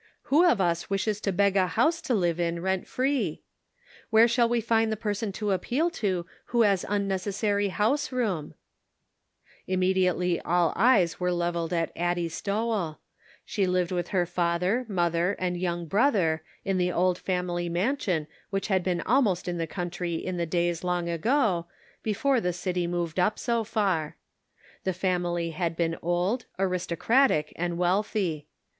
Who of us wishes to beg a house to live in, rent free ? Where shall we find the person to appeal to, who has unnecessary house room ?" Immediately all eyes were levelled at Addie Measuring Character. 267 Stowell ; she lived with her father, mother and young brother, in the old family mansion which had been almost in the country in the days long ago, before the city moved up so far. The family had been old, aristocratic and wealthy.